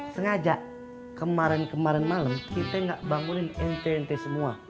sengaja kemarin kemarin malem kita gak bangunin ente ente semua